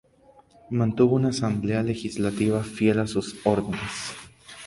Mantuvo una asamblea legislativa fiel a sus órdenes.